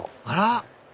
あら！